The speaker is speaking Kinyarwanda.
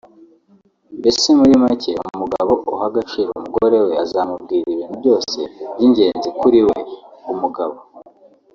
mbese muri make umugabo uha agaciro umugore we azamubwira ibintu byose by’ingenzi kuri we “umugabo”